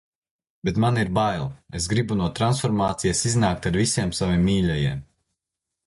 Bet man ir bail. Es gribu no transformācijas iznākt ar visiem saviem mīļajiem.